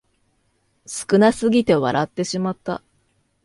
少なすぎて笑ってしまった